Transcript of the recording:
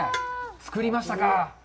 作りましたか。